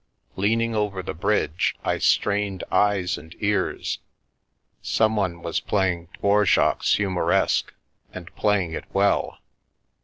Leaning over the bridge, I strained eyes and ears — someone was playing Dvorak's "Humoreske" and playing it well.